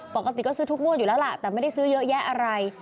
ปกติก็ซื้อทุกงวดอยู่แล้วล่ะแต่ไม่ได้ซื้อเยอะแยะอะไร